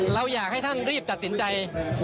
เราอยากให้ท่านรีบตัดสินใจ